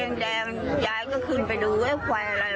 แม่งแฟนผมก็ไม่เกิดเลย